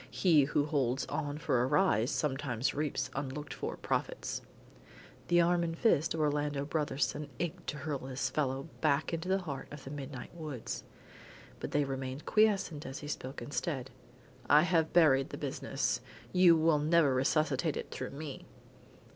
He who holds on for a rise sometimes reaps unlooked for profits." The arm and fist of Orlando Brotherson ached to hurl this fellow back into the heart of the midnight woods. But they remained quiescent and he spoke instead. "I have buried the business. You will never resuscitate it through me."